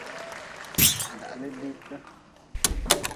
Dahli diite.